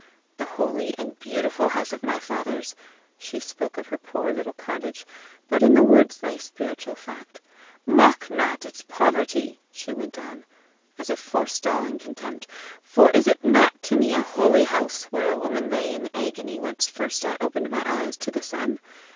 The holy and beautiful house of my fathers, " She spoke of her poor little cottage, but in the words lay spiritual fact. " mock not its poverty!" she went on, as if forestalling contempt; "for is it not to me a holy house where the woman lay in the agony whence first I opened my eyes to the sun?